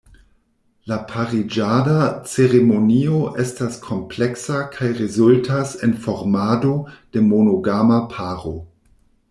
La pariĝada ceremonio estas kompleksa kaj rezultas en formado de monogama paro.